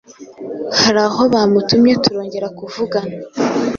hari aho bamutumye turongera kuvugana.